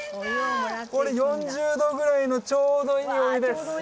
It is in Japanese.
これ４０度ぐらいのちょうどいいお湯です